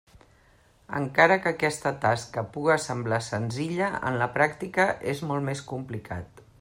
Encara que aquesta tasca puga semblar senzilla, en la pràctica és molt més complicat.